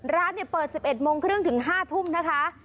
ร้านเปิด๑๑โมงครึ่งถึง๕ทุ่มนะคะ